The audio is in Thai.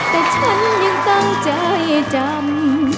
แต่ฉันยังตั้งใจจำ